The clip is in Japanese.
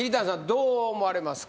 どう思われますか？